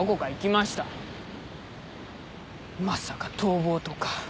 まさか逃亡とか。